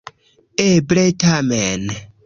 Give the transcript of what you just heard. Eble, tamen?